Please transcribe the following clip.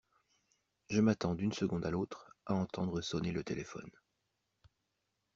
Je m’attends d’une seconde à l’autre à entendre sonner le téléphone.